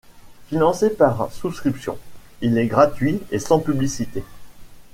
Financé par souscription, il est gratuit et sans publicité.